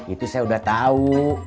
itu saya udah tahu